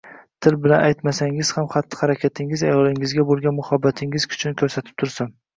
Til bilan aytmasangiz ham xatti-harakatingiz ayolingizga bo‘lgan muhabbatingiz kuchini ko‘rsatib tursin.